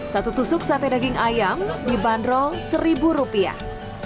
satu tusuk sate daging ayam dibanderol seribu rupiah